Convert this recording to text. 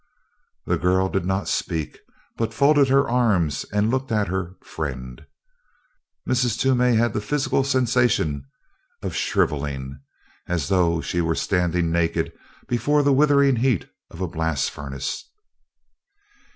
The girl did not speak but folded her arms and looked at her "friend." Mrs. Toomey had the physical sensation of shrivelling: as though she were standing naked before the withering heat of a blast furnace.